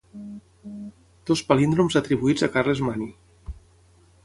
Dos palíndroms atribuïts a Carles Mani.